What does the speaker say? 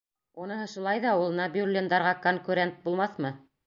— Уныһы шулай ҙа ул, Нәбиуллиндарға конкурент булмаҫмы?